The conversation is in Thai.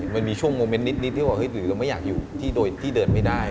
มันมีช่วงโมเมนต์นิดที่ว่าหรือเราไม่อยากอยู่ที่โดยที่เดินไม่ได้